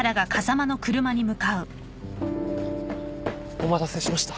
お待たせしました。